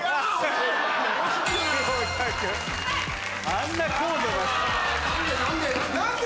あんな高度な。何で？